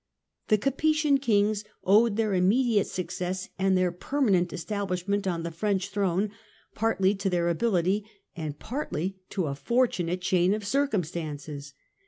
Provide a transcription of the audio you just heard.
The Capetian kings owed their immediate suc cess and their permanent establishment on the French throne partly to their ability and partly to a fortunate chain of circumstances.